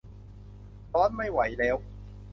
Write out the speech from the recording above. ร้อนไม่ไหวแล้ว